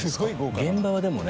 現場はでもね